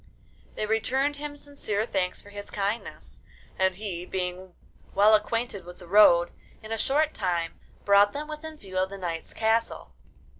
They returned him sincere thanks for his kindness, and he, being well acquainted with the road, in a short time brought them within view of the knight's castle.